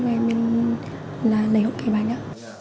em lấy hộp cái bánh ạ